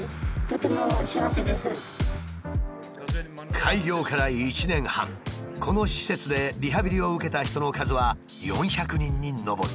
開業から１年半この施設でリハビリを受けた人の数は４００人に上る。